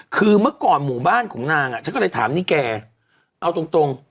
คือเมื่อก่อนหมู่บ้านของนางอ่ะฉันก็เลยถามนี่แกเอาตรง